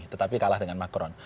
tetapi kalah dengan macron